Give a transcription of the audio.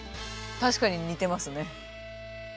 確かに似てますね。